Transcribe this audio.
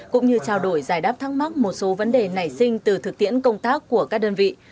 cũng như trao đổi giải đáp thắc mắc một số vấn đề nảy sinh từ thực tiễn công tác của các đơn vị